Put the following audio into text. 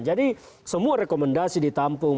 jadi semua rekomendasi ditampung